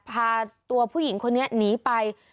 พาตัวผู้หญิงคนนี้หนีไป